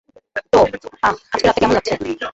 তো, আহ, আজকের রাতটা কেমন লাগছে?